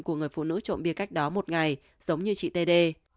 của người phụ nữ trộm bia cách đó một ngày giống như chị t d